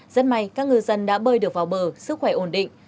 rất may các ngư dân đã bơi được vào bờ sức khỏe ổn định